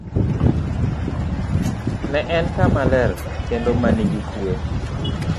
Ne en kama ler kendo ma nigi kuwe.